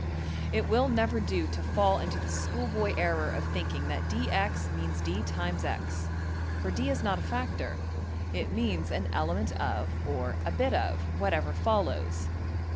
} It will never do to fall into the schoolboy error of thinking that $dx$ means $d$~times~$x$, for $d$ is not a factor it means ``an element of'' or ``a bit of'' whatever follows.